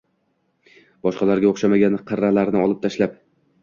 boshqalarga o’xshamagan qirralarini olib tashlab